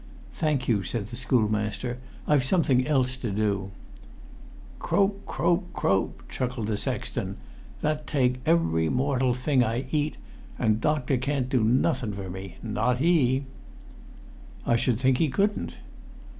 "Thank you," said the schoolmaster. "I've something else to do." "Croap, croap, croap!" chuckled the sexton. "That take every mortal thing I eat. An' doctor can't do nothun for me—not he!" "I should think he couldn't."